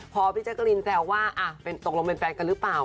พอพี่แจ๊กกะลินแซวว่าตกลงเป็นแฟนกันหรือเปล่า